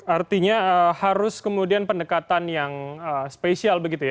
artinya harus kemudian pendekatan yang spesial begitu ya